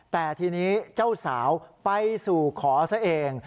แต่ทีนี้เจ้าสาวไปสู่ขอซะเอง